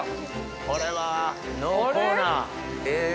これは濃厚なええ